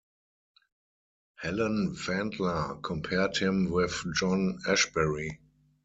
Helen Vendler compared him with John Ashbery.